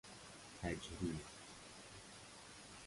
کجرو